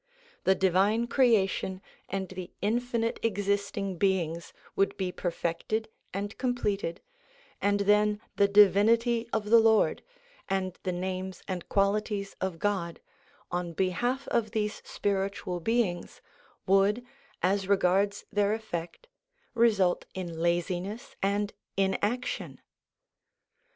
The divine creation and the infinite existing beings would be perfected and completed, and then the Divinity of the Lord, and the names and qualities of God, on behalf of these spiritual beings, would, as regards their effect, result in laziness and inaction!